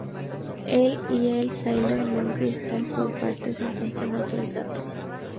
En el y en "Sailor Moon Crystal", por otra parte, se cuentan otros datos.